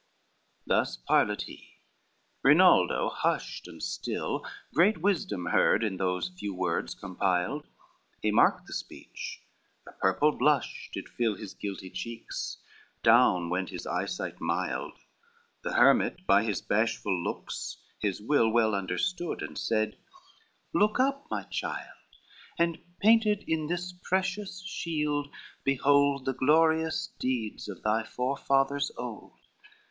LXIV Thus parleyed he; Rinaldo, hushed and still, Great wisdom heard in those few words compiled, He marked his speech, a purple blush did fill His guilty checks, down went his eyesight mild. The hermit by his bashful looks his will Well understood, and said, "Look up, my child, And painted in this precious shield behold The glorious deeds of thy forefathers old.